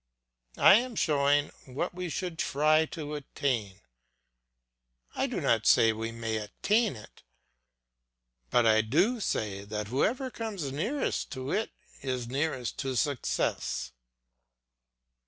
I am showing what we should try to attain, I do not say we can attain it, but I do say that whoever comes nearest to it is nearest to success.